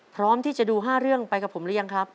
พร้อมที่จะดู๕เรื่องไปกับผมหรือยังครับ